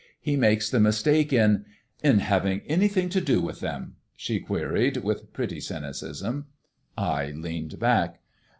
He makes the mistake in " "In having anything to do with them?" she queried with pretty cynicism. I leaned back.